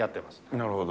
なるほど。